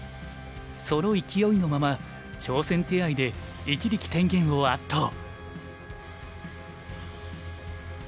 その勢いのまま挑戦手合で一力天元を圧倒。